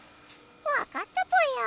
わかったぽよ。